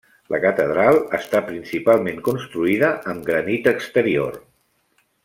La catedral està principalment construïda amb granit exterior.